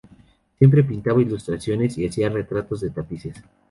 Siempre pintaba ilustraciones y hacía retratos de tapices.